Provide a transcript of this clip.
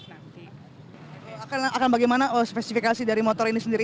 akan bagaimana spesifikasi dari motor ini sendiri